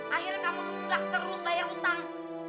akhirnya kamu tuh mbak terus bayar utang